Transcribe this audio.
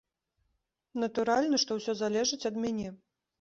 Натуральна, што ўсё залежыць ад мяне.